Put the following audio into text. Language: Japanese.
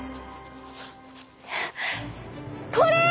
これ！